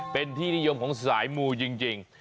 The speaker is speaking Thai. เป็นที่นิยมของสายมูจริง